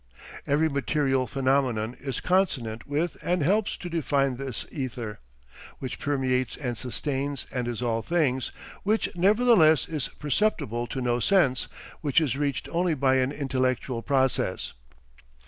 Every material phenomenon is consonant with and helps to define this ether, which permeates and sustains and is all things, which nevertheless is perceptible to no sense, which is reached only by an intellectual process.